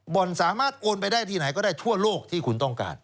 สามารถโอนไปได้ที่ไหนก็ได้ทั่วโลกที่คุณต้องการ